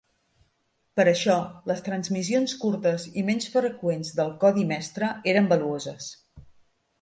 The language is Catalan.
Per això, les transmissions curtes i menys freqüents del codi mestre eren valuoses.